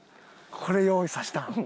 これ用意さしたん？